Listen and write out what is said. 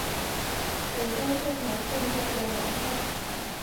永贞是唐顺宗的年号。